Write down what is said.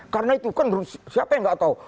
karena itu kan siapa yang enggak tahu